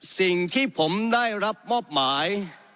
สิ่งที่ผมได้รับมอบหมาย